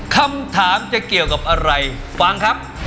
คำถามจะเกี่ยวกับอะไรฟังครับ